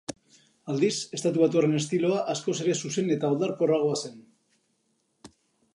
Aldiz, estatubatuarren estiloa askoz ere zuzen eta oldarkorragoa zen.